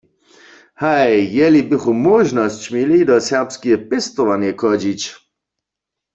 Haj, jeli bychu móžnosć měli, do serbskeje pěstowarnje chodźić.